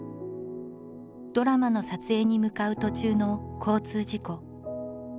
ドラマの撮影に向かう途中の交通事故。